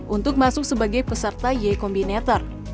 untuk masuk sebagai peserta yekombinator